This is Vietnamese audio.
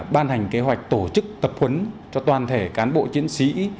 ban hành kế hoạch tổ chức tập huấn cho toàn thể cán bộ chiến sĩ